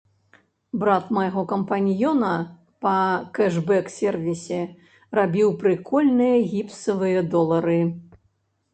Брат майго кампаньёна па кэшбэк-сервісе рабіў прыкольныя гіпсавыя долары.